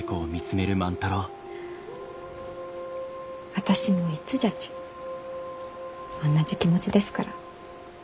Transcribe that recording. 私もいつじゃち同じ気持ちですから。